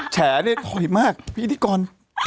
แฉนี่ถ่อยมากพี่อิทธิกร